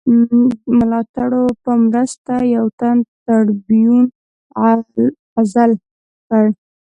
ملاتړو په مرسته یو تن ټربیون عزل کړ.